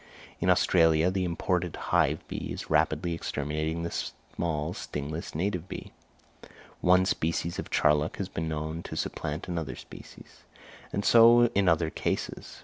In Australia the imported hive bee is rapidly exterminating the small, stingless native bee. One species of charlock has been known to supplant another species; and so in other cases.